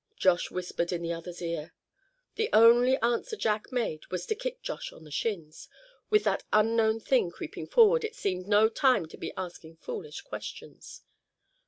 Josh whispered in the other's ear. The only answer Jack made was to kick Josh on the shins; with that unknown thing creeping forward it seemed no time to be asking foolish questions.